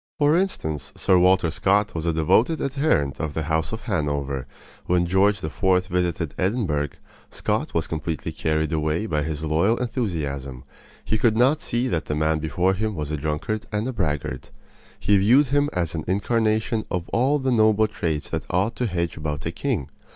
For instance, Sir Walter Scott was a devoted adherent of the house of Hanover. When George IV. visited Edinburgh, Scott was completely carried away by his loyal enthusiasm. He could not see that the man before him was a drunkard and braggart. He viewed him as an incarnation of all the noble traits that ought to hedge about a king.